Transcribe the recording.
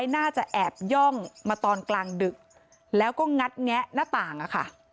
น่าจะแอบย่องมาตอนกลางดึกแล้วก็งัดแงะหน้าต่างอะค่ะ